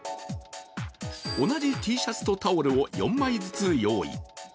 同じＴシャツとタオルを４枚ずつ用意。